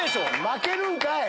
⁉負けるんかい！